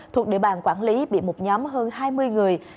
thuộc địa bàn quản lý bị một nhóm hơn hai mươi người